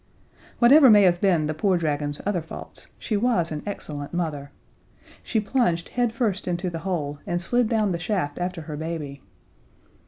Whatever may have been the poor dragon's other faults, she was an excellent mother. She plunged headfirst into the hole, and slid down the shaft after her baby.